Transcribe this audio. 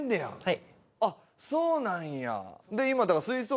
はい。